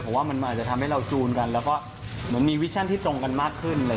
ผมว่ามันอาจจะทำให้เราจูนกันแล้วก็เหมือนมีวิชั่นที่ตรงกันมากขึ้น